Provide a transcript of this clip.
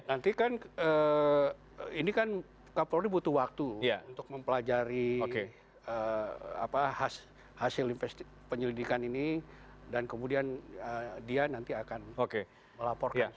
nanti kan ini kan kapolri butuh waktu untuk mempelajari hasil penyelidikan ini dan kemudian dia nanti akan melaporkan